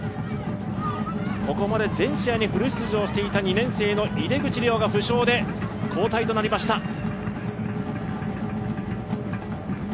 ここまで全試合にフル出場していた２年生の井手口怜央が負傷で交代となりました。